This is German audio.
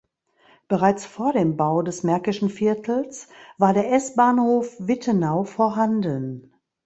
Bereits vor dem Bau des Märkischen Viertels war der S-Bahnhof Wittenau vorhanden.